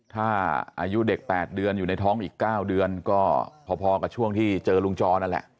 ถ้าอายุเด็ก๘เดือนอยู่ในท้องอีก๙เดือนก็พอกับช่วงที่เจอลุงจอนั่นแหละ